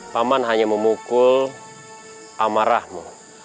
paman hanya memukul amarahmu